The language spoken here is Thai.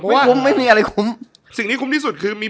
เพราะว่าเพราะว่าไม่มีอะไรคุ้มสิ่งนี้คุ้มที่สุดคือมี